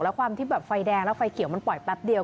แล้วความที่แบบไฟแดงแล้วไฟเขียวมันปล่อยแป๊บเดียว